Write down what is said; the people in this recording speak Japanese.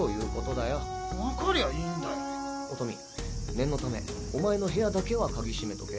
念のためお前の部屋だけはカギ閉めとけ。